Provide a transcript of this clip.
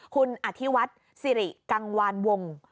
คุณอธิวัฒน์สิริกังวานวง